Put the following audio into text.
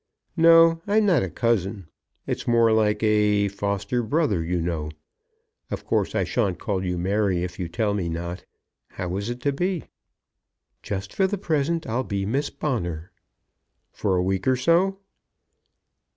"No; I'm not a cousin. It's more like a foster brother, you know. Of course I shan't call you Mary if you tell me not. How is it to be?" "Just for the present I'll be Miss Bonner." "For a week or so?"